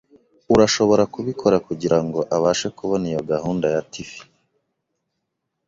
Urashobora kubikora kugirango abashe kubona iyo gahunda ya TV?